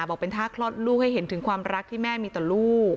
บอกเป็นท่าคลอดลูกให้เห็นถึงความรักที่แม่มีต่อลูก